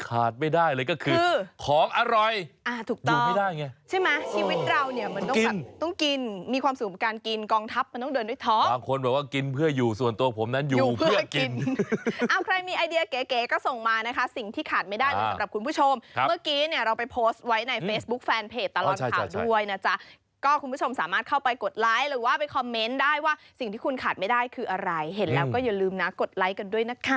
ก็คุณผู้ชมสามารถเข้าไปกดไลค์หรือว่าไปคอมเม้นต์ได้ว่าสิ่งที่คุณขาดไม่ได้คืออะไรเห็นแล้วก็อย่าลืมนะกดไลค์กันด้วยนะคะ